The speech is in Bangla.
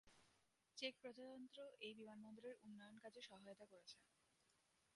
চেক প্রজাতন্ত্র এই বিমানবন্দরের উন্নয়ন কাজে সহায়তা করেছে।